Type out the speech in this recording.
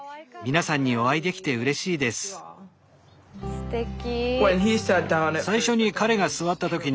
すてき。